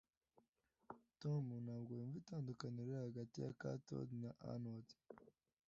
tom ntabwo yumva itandukaniro riri hagati ya cathode na anode